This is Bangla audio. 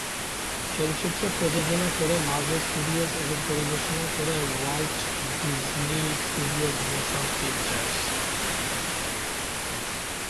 চলচ্চিত্রটি প্রযোজনা করে মার্ভেল স্টুডিওজ এবং পরিবেশনা করে Walt Disney studios motion pictures.